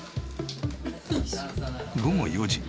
午後４時。